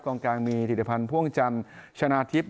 กลางกลางมีธีรธรรพันธ์พ่วงจันทร์ชะนาธิบ